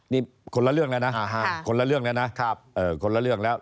นี่คนละเรื่องแล้วนะอ่าฮะคนละเรื่องแล้วนะครับเอ่อคนละเรื่องแล้ว